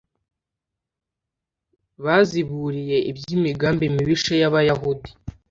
baziburiye iby’imigambi mibisha y’Abayahudi